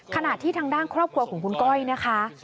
ขณะที่ทางด้านครอบครัวของคุณก้อยนะคะ